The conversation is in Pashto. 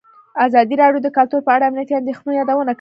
ازادي راډیو د کلتور په اړه د امنیتي اندېښنو یادونه کړې.